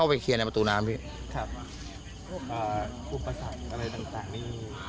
อ่าอุปสรรคอะไรต่างต่างมีเป็นยังไงบ้าง